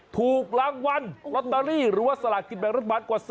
ถูกรางวัลลอตเบอร์รี่หรือว่าสละกินแบบรถบาทกว่า๔๐ใบ